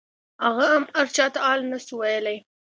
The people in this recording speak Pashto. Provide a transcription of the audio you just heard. هغه هم هرچا ته حال نسو ويلاى.